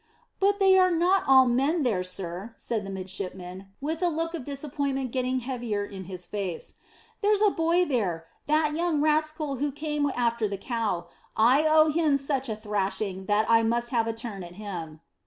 "But they are not all men there, sir," said the midshipman, with a look of disappointment getting heavier in his face. "There's a boy there that young rascal who came after the cow. I owe him such a thrashing that I must have a turn at him."